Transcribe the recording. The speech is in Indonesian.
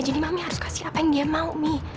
jadi mami harus kasih apa yang dia mau mi